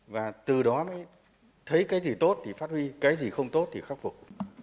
và từ đó mới thấy cái gì tốt thì phát huy cái gì không tốt thì khắc phục